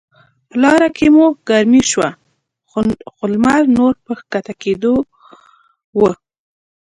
په لاره کې مو ګرمي شوه، خو لمر نور په کښته کیدو و.